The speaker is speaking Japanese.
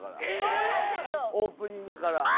オープニングから。